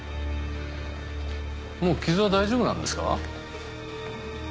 もう傷は大丈夫なんですか？